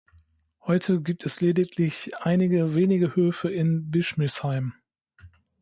Heute gibt es lediglich einige wenige Höfe in Bischmisheim.